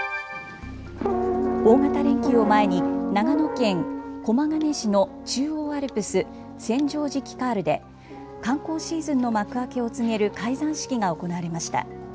大型連休を前に長野県駒ヶ根市の中央アルプス・千畳敷カールで観光シーズンの幕開けを告げる開山式が行われました。